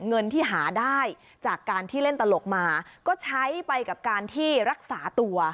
เงินที่หาได้จากการที่เล่นตลกมาก็ใช้ไปกับการที่รักษาตัว